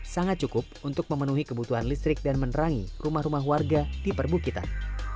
sangat cukup untuk memenuhi kebutuhan listrik dan menerangi rumah rumah warga di perbukitan